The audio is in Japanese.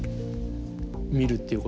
見るっていうこと。